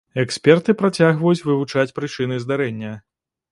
Эксперты працягваюць вывучаць прычыны здарэння.